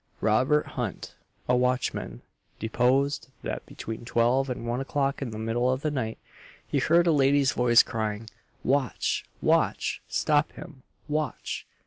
Robert Hunt, a watchman, deposed, that between twelve and one o'clock in the middle of the night, he heard a lady's voice crying "Watch! Watch! Stop him, Watch!"